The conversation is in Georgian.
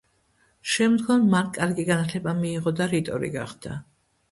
შემდგომ მან კარგი განათლება მიიღო და რიტორი გახდა.